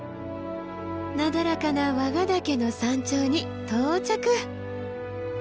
なだらかな和賀岳の山頂に到着！